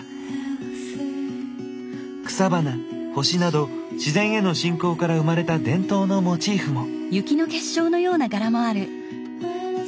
草花星など自然への信仰から生まれた伝統のモチーフも。